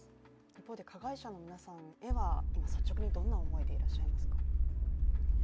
一方、加害者の皆さんへは率直にどんな思いでいらっしゃいますか？